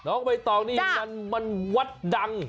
น้องไปต่อนี่มันวัดดัง